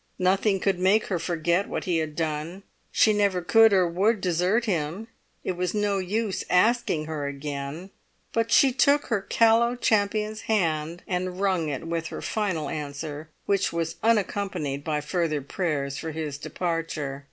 Nothing could make her forget what he had done. She never could or would desert him; it was no use asking her again; but she took her callow champion's hand, and wrung it with her final answer, which was unaccompanied by further prayers for his departure.